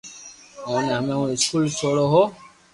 اوني ھمي ھون اسڪول سوڙو ھون